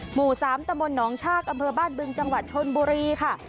หมู่๓ตะมนตหนองชากอำเภอบ้านบึงจังหวัดชนบุรีค่ะ